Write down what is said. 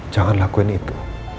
jangan lakuin itu